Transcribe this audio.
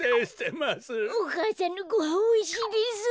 お母さんのごはんおいしいです。